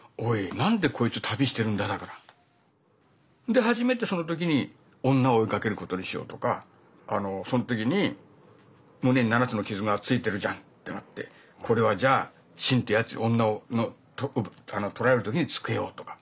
で初めてその時に女を追いかけることにしようとかその時に胸に７つの傷がついてるじゃんってなってこれはじゃあシンってやつに女を取られる時につけようとか。